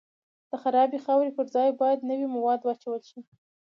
د خرابې خاورې پر ځای باید نوي مواد واچول شي